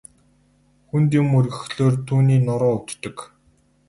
Хүнд юм өргөхлөөр түүний нуруу өвддөг.